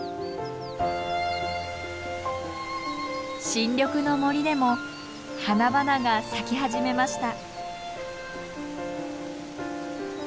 新緑の森でも花々が咲き始めました。